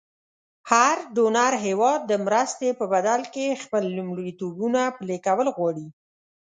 هر ډونر هېواد د مرستې په بدل کې خپل لومړیتوبونه پلې کول غواړي.